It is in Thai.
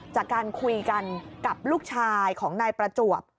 จากการคุยกันกับลูกชายของนายประจวบ